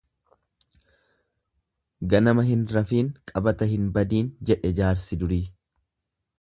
Ganama hin rafin, qabata hin badiin jedhe jaarsi durii.